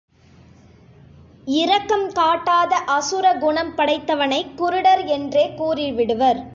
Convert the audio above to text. இரக்கம் காட்டாத அசுர குணம் படைத்தவனைக் குருடர் என்றே கூறிவிடுவர்.